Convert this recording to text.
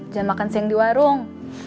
jam makan siang di warung